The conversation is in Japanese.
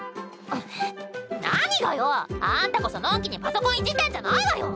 んっ何がよ！あんたこそのんきにパソコンいじってんじゃないわよ！